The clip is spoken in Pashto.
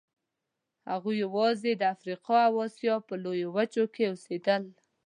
هغوی یواځې د افریقا او اسیا په لویو وچو کې اوسېدل.